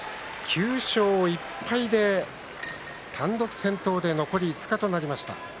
９勝１敗で単独先頭で残り５日となりました。